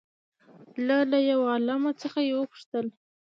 له له يوه عالم څخه يې وپوښتل